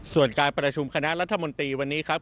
ส่วนการประชุมคณะรัฐมนตรีวันนี้ครับ